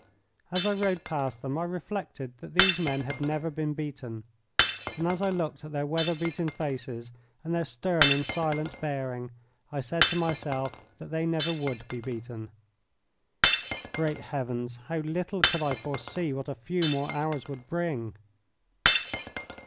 As I rode past them I reflected that these men had never been beaten, and as I looked at their weather beaten faces and their stern and silent bearing, I said to myself that they never would be beaten. Great heavens, how little could I foresee what a few more hours would bring!